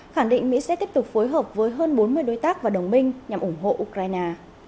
khẳng định mỹ sẽ tiếp tục phối hợp với hơn bốn mươi đối tác và đồng minh nhằm ủng hộ ukraine